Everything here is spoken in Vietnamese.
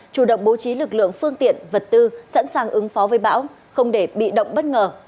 chủ động bố trí lực lượng phương tiện vật tư sẵn sàng ứng phó với bão không để bị động bất ngờ